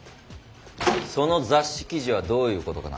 その雑誌記事はどういうことかな？